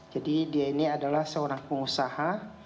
jadi dia ini adalah seorang pengusaha